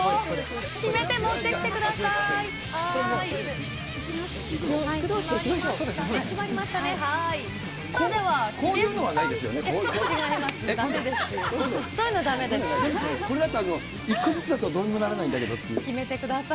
決めて持ってきてください。